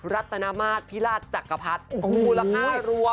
รัตนมาตรพิราชจักรพรรดิมูลค่ารวม